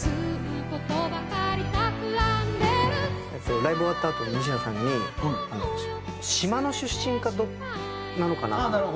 ライブ終わったあとににしなさんに島の出身なのかなと思って。